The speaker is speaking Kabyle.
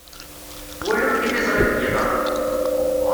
Twalam tiliẓri deg yiḍ-a?